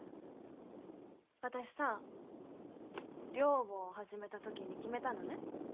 私さ寮母を始めた時に決めたのね